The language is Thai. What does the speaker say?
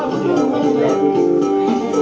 สวัสดีครับทุกคน